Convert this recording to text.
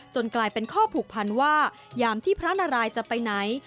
กลายเป็นข้อผูกพันว่ายามที่พระนารายจะไปไหน